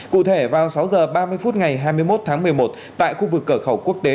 cụ thể vào sáu h ba mươi phút ngày hai mươi một tháng một mươi một tại khu vực cửa khẩu quốc tế